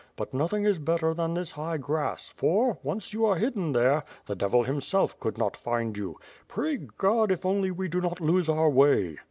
But nothing is better than this high grass, for, once you are hidden there, the devil himself could not find you. Pray God, if only we do not lose our way!"